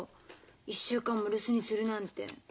１週間も留守にするなんて。